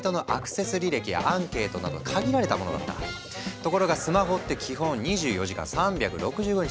ところがスマホって基本２４時間３６５日